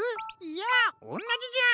いやおんなじじゃ。